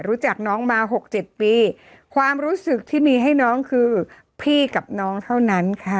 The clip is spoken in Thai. รู้จักน้องมาหกเจ็ดปีความรู้สึกที่มีให้น้องคือพี่กับน้องเท่านั้นค่ะ